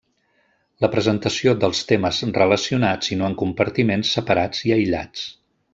La presentació dels temes relacionats i no en compartiments separats i aïllats.